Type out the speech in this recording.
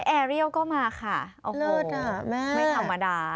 แอเรียลก็มาค่ะโอ้โหไม่ธรรมดา